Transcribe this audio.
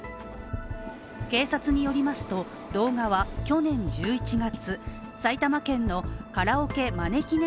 警察によりますと、動画は去年１１月、埼玉県のカラオケまねきね